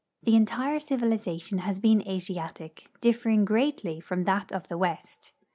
The entire civilization has been Asiatic, differing greatly from that of the west.